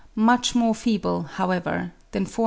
much more feeble, however, than 482 63.